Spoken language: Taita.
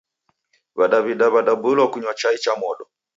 W'adaw'ida w'adaboilwa kunywa chai cha modo.